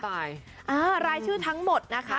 รายชื่อทั้งหมดนะคะ